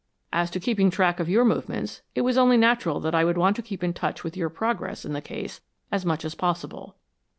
As to keeping track of your movements, it was only natural that I would want to keep in touch with your progress in the case as much as possible."